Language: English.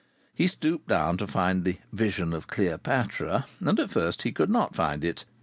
He stooped down to find the Vision of Cleopatra, and at first he could not find it.